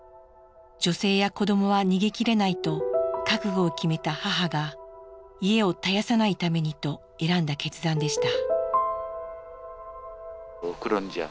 女性や子どもは逃げきれないと覚悟を決めた母が家を絶やさないためにと選んだ決断でした。